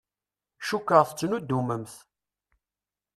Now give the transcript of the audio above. Cukkeɣ tettnuddumemt.